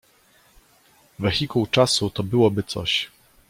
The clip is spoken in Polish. wehikuł czasu to byłoby coś